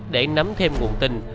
để nắm thêm nguồn tin